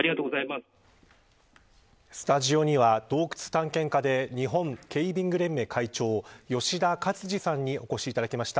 スタジオには洞窟探検家で日本ケイビング連盟会長吉田勝次さんにお越しいただきました。